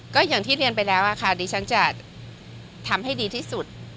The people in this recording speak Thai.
ก็อย่างที่เรียนไปแล้วค่ะดิฉันจะทำให้ดีที่สุด